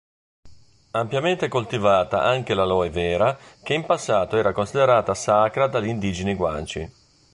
Ampiamente coltivata anche l'aloe vera che in passato era considerata sacra dagli indigeni Guanci.